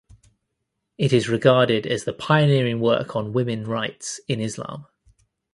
It is regarded as the pioneering work on women rights in Islam.